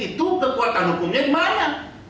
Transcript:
itu kekuatan hukumnya gimana